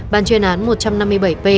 bàn chuyên án một trăm năm mươi bảy p